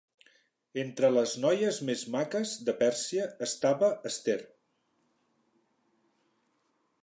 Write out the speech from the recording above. Entre les noies més maques de Pèrsia estava Ester.